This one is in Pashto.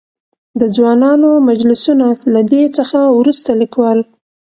د ځوانانو مجلسونه؛ له دې څخه ورورسته ليکوال.